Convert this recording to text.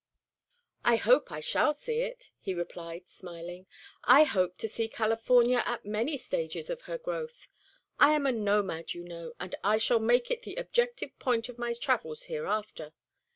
"I hope I shall see it," he replied, smiling; "I hope to see California at many stages of her growth. I am a nomad, you know, and I shall make it the objective point of my travels hereafter.